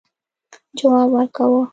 جواب ورکاوه.